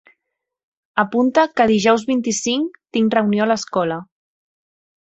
Apunta que dijous vint-i-cinc tinc reunió a l'escola.